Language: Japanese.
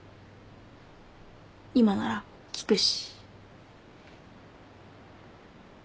今なら聞くし。